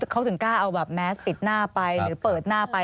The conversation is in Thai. เขาถึงกล้าเอาแบบแมสปิดหน้าไปหรือเปิดหน้าไป